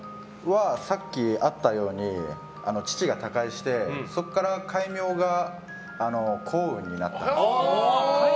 さっきあったように父が他界して、そこから戒名が幸雲になったんです。